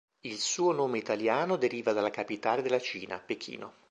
Il suo nome italiano deriva dalla capitale della Cina, Pechino.